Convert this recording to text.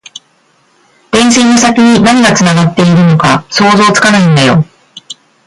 電線の先に何がつながっているのか想像つかないんだよ